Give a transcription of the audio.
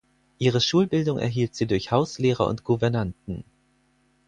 Ihre Schulbildung erhielt sie durch Hauslehrer und Gouvernanten.